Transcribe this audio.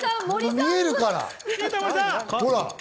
見えるから、ほら。